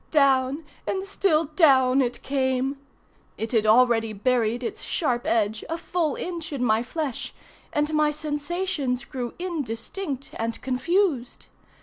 Down and still down, it came. It had already buried its sharp edge a full inch in my flesh, and my sensations grew indistinct and confused.